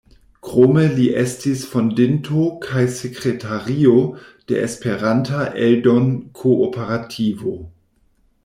Krome li estis fondinto kaj sekretario de Esperanta Eldon-Kooperativo.